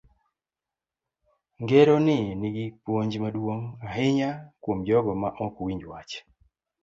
Ngero ni nigi puonj maduong' ahinya kuom jogo ma ok winj wach.